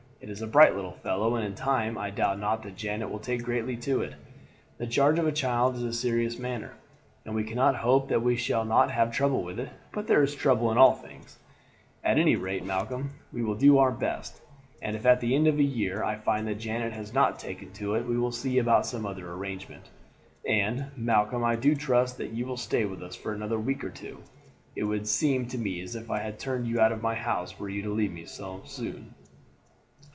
It is a bright little fellow, and in time I doubt not that Janet will take greatly to it. The charge of a child is a serious matter, and we cannot hope that we shall not have trouble with it, but there is trouble in all things. At any rate, Malcolm, we will do our best, and if at the end of a year I find that Janet has not taken to it we will see about some other arrangement. And, Malcolm, I do trust that you will stay with us for another week or two. It would seem to me as if I had turned you out of my house were you to leave me so soon."